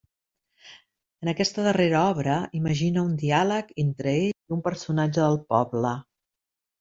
En aquesta darrera obra imagina un diàleg entre ell i un personatge del poble.